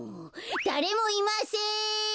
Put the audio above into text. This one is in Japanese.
だれもいません！